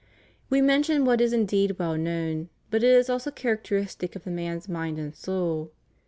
We mention what is indeed well known, but is also characteristic of the man's mind and soul.